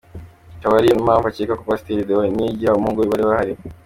Ikaba ari na yo mpamvu akeka ko pasiteri Deo Nyirigira n’umuhungu bari bahari.